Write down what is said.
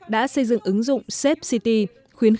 đã xây dựng ứng dụng safe city